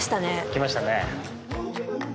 来ましたね。